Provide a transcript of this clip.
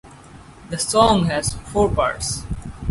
The song has four parts.